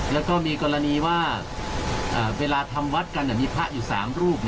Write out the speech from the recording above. แล้วก็มีกรณีว่าเวลาทำวัดกันมีพระอยู่๓รูป